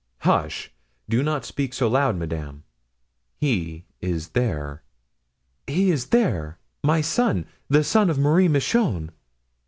"Hush! do not speak so loud, madame; he is there." "He is there! my son! the son of Marie Michon!